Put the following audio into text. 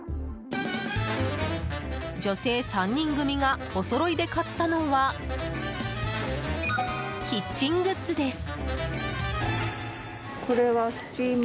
女性３人組がおそろいで買ったのはキッチングッズです。